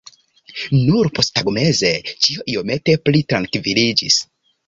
Nur posttagmeze ĉio iomete pli trankviliĝis.